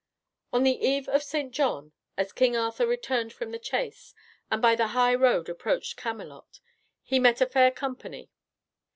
On the eve of St. John, as King Arthur returned from the chase, and by the high road approached Camelot, he met a fair company.